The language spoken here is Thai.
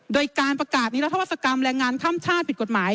โดยการประกาศนิรัทธวัศกรรมแรงงานข้ามชาติผิดกฎหมาย